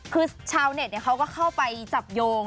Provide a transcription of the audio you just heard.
คือชาวเน็ตเขาก็เข้าไปจับโยง